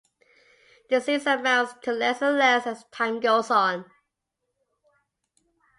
The series amounts to less and less as time goes on.